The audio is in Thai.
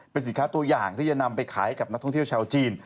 เป็นสินค้าตัวอย่างที่จะนำไปขายให้กับนักท่องเที่ยวชาวจีน